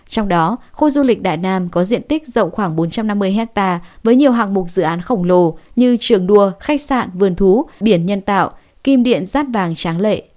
trong đó khu du lịch đại nam có diện tích rộng khoảng bốn trăm năm mươi hectare với nhiều hạng mục dự án khổng lồ như trường đua khách sạn vườn thú biển nhân tạo kim điện rác vàng tráng lệ